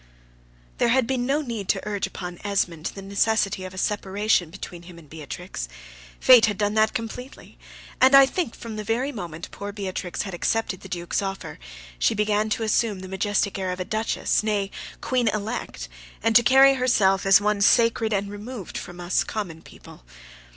There had been no need to urge upon Esmond the necessity of a separation between him and Beatrix: Fate had done that completely; and I think from the very moment poor Beatrix had accepted the Duke's offer, she began to assume the majestic air of a Duchess, nay, Queen Elect, and to carry herself as one sacred and removed from us common people.